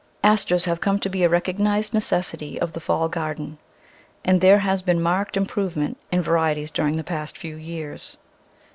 Asters have come to be a recognised necessity of the fall garden, and there has been marked improve ment in varieties during the past few years.